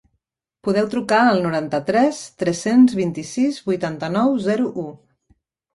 Podeu trucar al noranta-tres tres-cents vint-i-sis vuitanta-nou zero u.